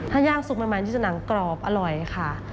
ถ้าย่างซุปใหม่ที่จะหนังกรอบอร่อยค่ะ